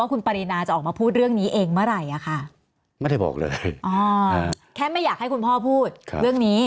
แค่ไม่อยากให้คุณพ่อพูดเรื่องนี้